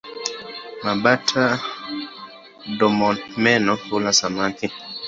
Mabata-domomeno hula samaki.